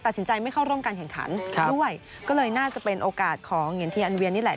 ไม่เข้าร่วมการแข่งขันด้วยก็เลยน่าจะเป็นโอกาสของเหงียนทีอันเวียนนี่แหละ